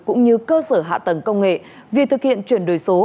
cũng như cơ sở hạ tầng công nghệ việc thực hiện chuyển đổi số